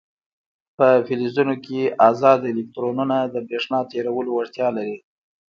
په فلزونو کې ازاد الکترونونه د برېښنا تیرولو وړتیا لري.